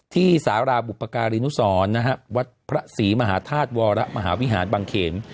สาราบุปการีนุสรวัดพระศรีมหาธาตุวรมหาวิหารบางเขน